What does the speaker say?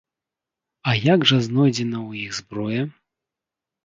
А як жа знойдзеная ў іх зброя?!